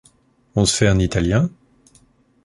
On se fait un italien ?